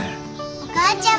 お母ちゃま！